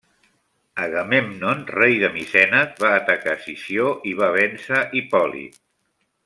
Agamèmnon, rei de Micenes, va atacar Sició i va vèncer Hipòlit.